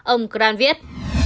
ông grant viết